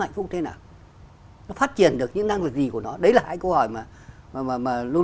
hạnh phúc thế nào nó phát triển được những năng lực gì của nó đấy là hai câu hỏi mà luôn